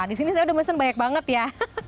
di sini saya udah mesen banyak banget ya